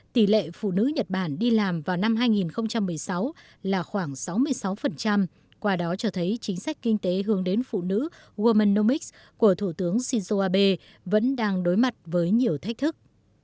tỷ lệ phụ nữ nhật bản đi làm vào năm hai nghìn một mươi sáu là khoảng sáu mươi sáu qua đó cho thấy chính sách kinh tế hướng đến phụ nữ worlmanomix của thủ tướng shinzo abe vẫn đang đối mặt với nhiều thách thức